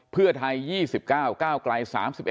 เพื่อไทย๒๙ก้าวไกล๓๑